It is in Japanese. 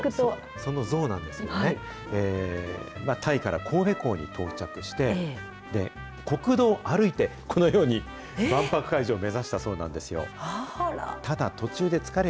その象なんですけどね、タイから神戸港に到着して、国道を歩いて、このように万博会場を目指したそうなんですよ。ですよね。